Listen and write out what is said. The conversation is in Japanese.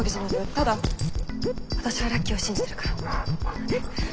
ただ私はラッキーを信じてるから。